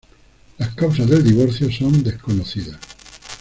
Las causas del divorcio son desconocidas.